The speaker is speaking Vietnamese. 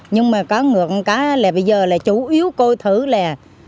nhưng mà có ngược một cái là bây giờ là chủ yếu côi thử là